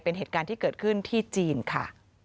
เป็นเหตุการณ์ที่เกิดขึ้นที่จีนค่ะ